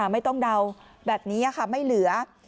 ไม่ต้องเดาแบบนี้ค่ะไม่เหลือ